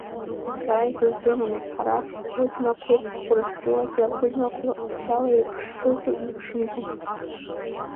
Сара исыздырамызт, ҳара ҳқәыџьмақәеи, Урыстәылатәи ақәыџьмақәеи ҟазшьала еиԥшызу еиԥшымзу.